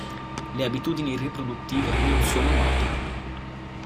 Le abitudini riproduttive non sono note.